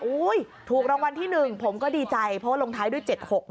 ถูกรางวัลที่๑ผมก็ดีใจเพราะว่าลงท้ายด้วย๗๖